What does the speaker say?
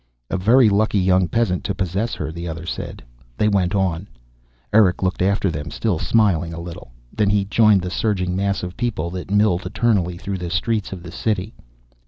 "A very lucky young peasant to possess her," the other said. They went on. Erick looked after them, still smiling a little. Then he joined the surging mass of people that milled eternally through the streets of the City.